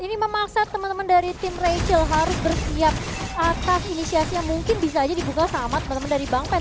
ini memaksa temen temen dari tim rachel harus bersiap atas inisiasi yang mungkin bisa aja dibuka sama temen temen dari bang pen